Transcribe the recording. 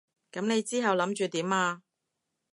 噉你之後諗住點啊？